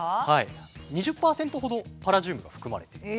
２０％ほどパラジウムが含まれてる。